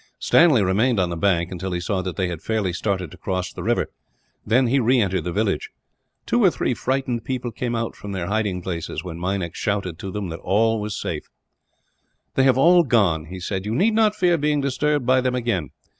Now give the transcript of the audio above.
Stanley remained on the bank, until he saw that they had fairly started to cross the river, then he re entered the village. Two or three frightened people came out from their hiding places, when Meinik shouted to them that all was safe. "They have all gone," he said, "you need not fear being disturbed by them again.